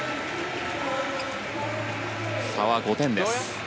差は５点です。